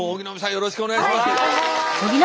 よろしくお願いします。